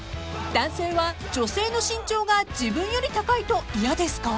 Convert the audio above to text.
［男性は女性の身長が自分より高いと嫌ですか？］